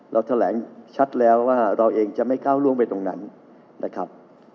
เราแถลงชัดแล้วว่าเราเองจะไม่ก้าวล่วงไปตรงนั้นนะครับ